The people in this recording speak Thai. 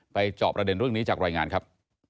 จอบประเด็นเรื่องนี้จากรายงานครับ